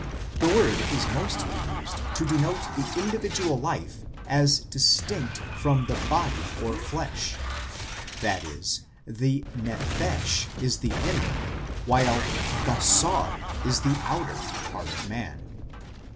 The word is mostly used to denote the individual life as distinct from the body or flesh ; that is, the nephesh is the inner, while basar is the outer, part of man.